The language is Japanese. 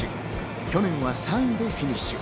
去年は３位でフィニッシュ。